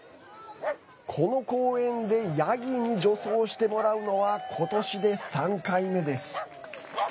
この公園でヤギに除草してもらうのはことしで３回目です。